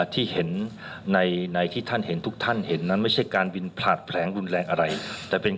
ซึ่งน่าใช้เวลาคม๒เดือนประมาณนี้ก็จะรู้ผล